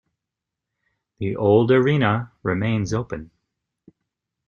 The old arena remains open.